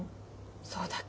そうだけど。